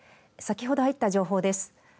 先ほど入った情報です。